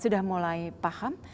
sudah mulai paham